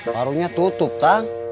warungnya tutup tang